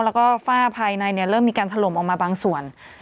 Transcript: แล้วก็ฝ้าภายในเริ่มมีการถล่มออกมาบางส่วน